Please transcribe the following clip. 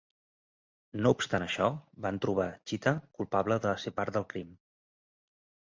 No obstant això, van trobar Chita culpable de ser part del crim.